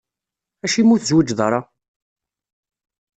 Acimi ur tezwiǧeḍ ara?